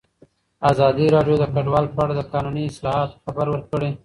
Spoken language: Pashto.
ازادي راډیو د کډوال په اړه د قانوني اصلاحاتو خبر ورکړی.